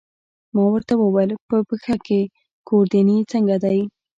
ما ورته وویل: په پښه کې، ګوردیني څنګه دی؟